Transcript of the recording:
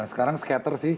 sekarang scatter sih